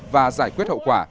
và giải quyết hậu quả